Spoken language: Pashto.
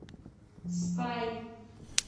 سپۍ